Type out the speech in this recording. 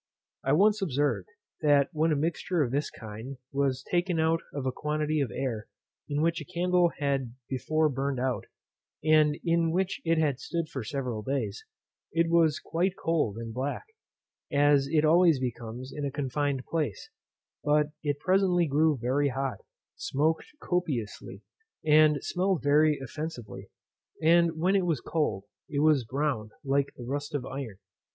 I once observed, that when a mixture of this kind was taken out of a quantity of air in which a candle had before burned out, and in which it had stood for several days, it was quite cold and black, as it always becomes in a confined place; but it presently grew very hot, smoaked copously, and smelled very offensively; and when it was cold, it was brown, like the rust of iron.